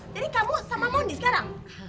jadi kamu sama mondi sekarang